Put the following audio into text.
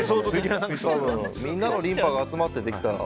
みんなのリンパが集まってできた。